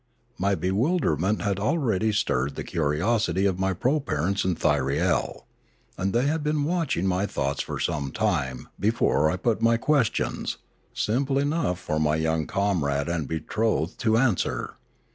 My bewilderment had already stirred the curiosity of my proparents and Thyriel; and they had been watching my thoughts for some time before I put my questions, simple enough for my young comrade and betrothed to answer.